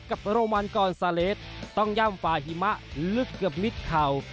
กับโรมวันก่อนเสร็จต้องย่ำฝาหิมะลึกเกือบนิดเข่า